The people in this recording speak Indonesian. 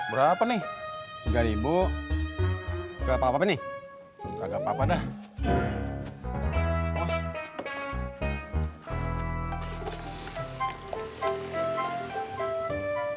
berapa nih rp tiga enggak apa apa nih enggak apa apa dah